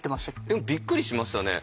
でもびっくりしましたね。